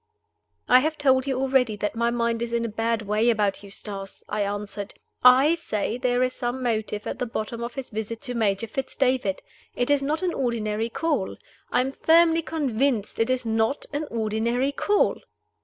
"I have told you already that my mind is in a bad way about Eustace," I answered. "I say there is some motive at the bottom of his visit to Major Fitz David. It is not an ordinary call. I am firmly convinced it is not an ordinary call!"